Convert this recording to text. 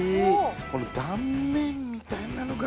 この断面みたいなのがもう。